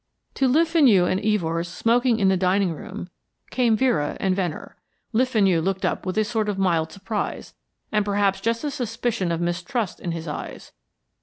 To Le Fenu and Evors smoking in the dining room came Vera and Venner. Le Fenu looked up with a sort of mild surprise and perhaps just a suspicion of mistrust in his eyes.